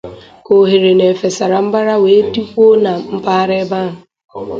ka ohere na efè sara mbara wee dịkwuo na mpaghara ebe ahụ.